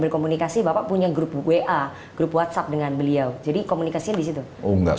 berkomunikasi bapak punya grup wa grup whatsapp dengan beliau jadi komunikasi di situ oh enggak